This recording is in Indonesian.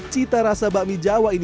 cita rasa bakmi jawa ini